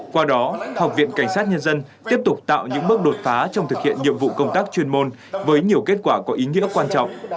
qua đó học viện cảnh sát nhân dân tiếp tục tạo những bước đột phá trong thực hiện nhiệm vụ công tác chuyên môn với nhiều kết quả có ý nghĩa quan trọng